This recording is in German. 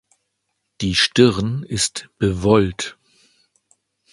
Die Stirn ist bewollt.